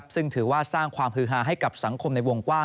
ซึ่งถือว่าสร้างความฮือฮาให้กับสังคมในวงกว้าง